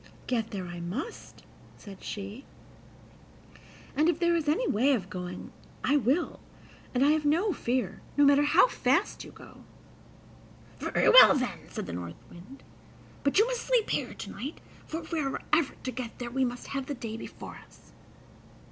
"Get there I must," said she; "and if there is any way of going I will; and I have no fear, no matter how fast you go." "Very well then," said the North Wind; "but you must sleep here to night, for if we are ever to get there we must have the day before us."